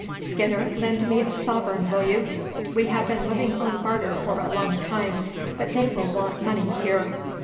Skinner, lend me a sovereign, will you? We have been living on barter for a long time, but they will want money here."